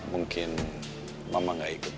mungkin mama gak ikut